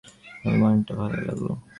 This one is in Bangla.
অভিমানটা ভালোই লাগল।